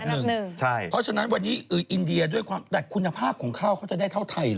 เพราะฉะนั้นวันนี้อินเดียด้วยความแต่คุณภาพของข้าวเขาจะได้เท่าไทยเหรอ